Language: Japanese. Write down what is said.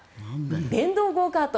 電動ゴーカート。